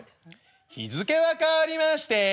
「日付は変わりまして８月２日」。